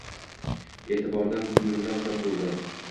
E’tibordan ko‘ngillar shod bo‘ldi